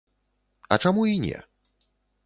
А чаму і не?